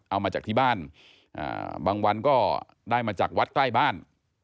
เอามาจากที่บ้านบางวันก็ได้มาจากวัดใกล้บ้าน